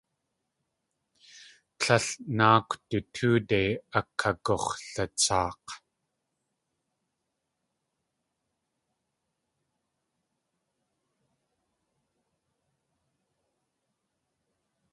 Tlél náakw du tóode akagux̲latsaak̲.